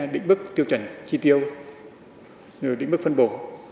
định bức tiêu chuẩn chi tiêu định bức phân bổ